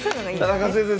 田中先生